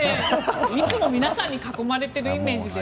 いつも皆さんに囲まれてるイメージです。